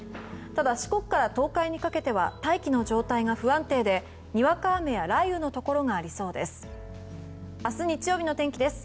ただ、四国から東海にかけては大気の状態が不安定でにわか雨や雷雨のところがありそうです。